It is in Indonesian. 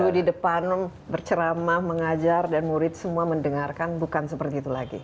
guru di depan berceramah mengajar dan murid semua mendengarkan bukan seperti itu lagi